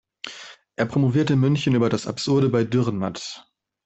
Er promovierte in München über „Das Absurde bei Dürrenmatt“.